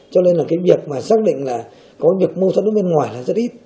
cho nên là cái việc mà xác định là có việc mâu thuẫn ở bên ngoài là rất ít